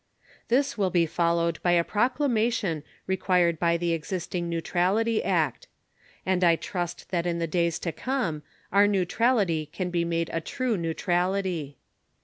This will be followed by a Proclamation required by the existing Neutrality Act. And I trust that in the days to come our neutrality can be made a true neutrality.